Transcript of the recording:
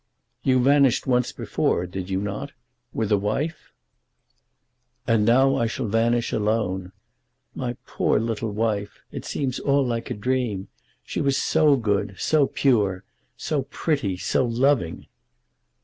"You vanished once before, did you not, with a wife?" "And now I shall vanish alone. My poor little wife! It seems all like a dream. She was so good, so pure, so pretty, so loving!"